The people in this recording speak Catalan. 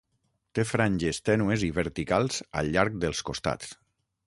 Té franges tènues i verticals al llarg dels costats.